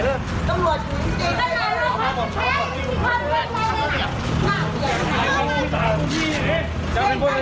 นี่นี่นี่นี่นี่นี่นี่นี่นี่